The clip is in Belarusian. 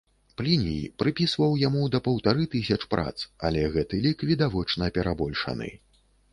Пліній прыпісваў яму да паўтары тысяч прац, але гэты лік відавочна перабольшаны.